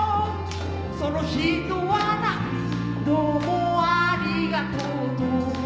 その人は何度もありがとうと